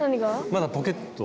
まだポケット。